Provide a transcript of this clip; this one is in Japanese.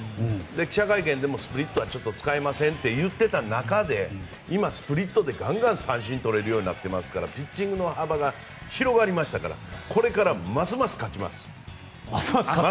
記者会見でもスプリットはちょっと使いませんって言ってた中で今スプリットでガンガン三振を取れるようになってますからピッチングの幅が広がりましたからこれからますます勝ちます。